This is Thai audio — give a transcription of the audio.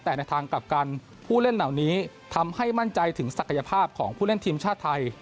แต่ในทางกลับกันผู้เล่นเหล่านี้ทำให้มั่นใจถึงศักยภาพของผู้เล่นทีมชาติไทย